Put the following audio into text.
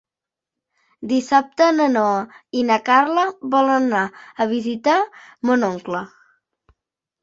Dissabte na Noa i na Carla volen anar a visitar mon oncle.